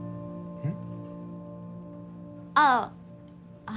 うん。